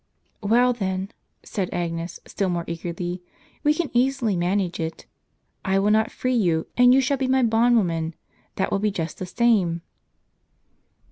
" "Well then," said Agnes, still more eagerly, "we can easily manage it. I will not free you, and you shall be my bondwoman. That will be just the same."